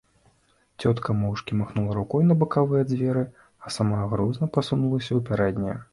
Цётка моўчкі махнула рукой на бакавыя дзверы, а сама грузна пасунулася ў пярэднія.